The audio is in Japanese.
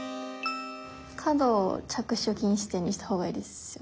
角を着手禁止点にした方がいいですよね？